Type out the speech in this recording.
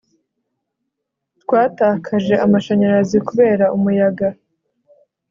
twatakaje amashanyarazi kubera umuyaga